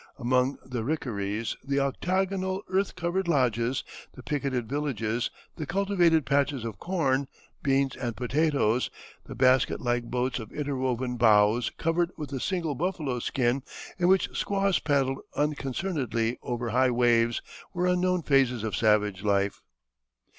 Among the Rickarees the octagonal earth covered lodges, the picketed villages, the cultivated patches of corn, beans, and potatoes, the basket like boats of interwoven boughs covered with a single buffalo skin, in which squaws paddled unconcernedly over high waves, were unknown phases of savage life.